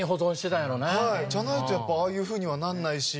じゃないとやっぱああいうふうにはならないし。